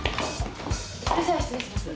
それじゃあ失礼します。